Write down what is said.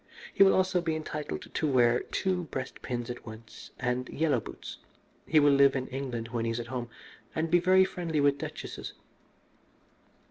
He will also be entitled to wear two breast pins at once and yellow boots. He will live in England when he is at home, and be very friendly with duchesses.